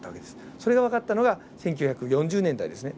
それが分かったのが１９４０年代ですね。